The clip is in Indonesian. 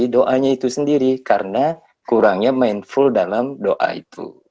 doanya itu sendiri karena kurangnya mindful dalam doa itu